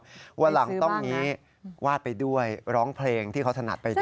ตอนนี้แล้วต้องคิดว่าต้องหวานไปด้วยร้องเพลงที่เขาถนัดไปด้วย